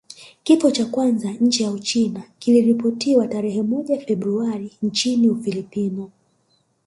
Kifo cha kwanza nje ya Uchina kiliripotiwa tarehe moja Februari nchini Ufilipino